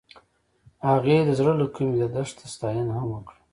هغې د زړه له کومې د دښته ستاینه هم وکړه.